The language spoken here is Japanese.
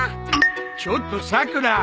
ちょっとさくら！